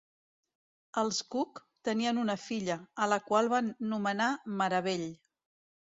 Els Cook tenien una filla, a la qual van nomenar Marabell.